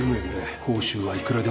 報酬はいくらでも出そう。